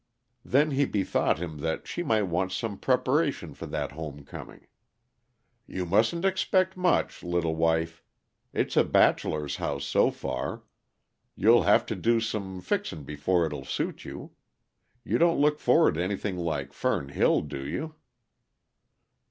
Then he bethought him that she might want some preparation for that home coming. "You mustn't expect much, little wife. It's a bachelor's house, so far. You'll have to do some fixing before it will suit you. You don't look forward to anything like Fern Hill, do you?"